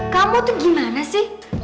kamu tuh gimana sih